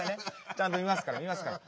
ちゃんとみますからみますから。